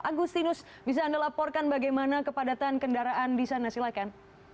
agustinus bisa anda laporkan bagaimana kepadatan kendaraan di sana silahkan